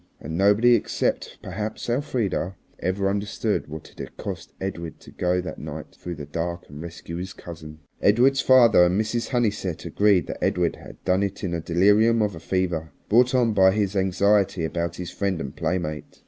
And nobody, except perhaps Elfrida, ever understood what it had cost Edred to go that night through the dark and rescue his cousin. Edred's father and Mrs. Honeysett agreed that Edred had done it in the delirium of a fever, brought on by his anxiety about his friend and playmate.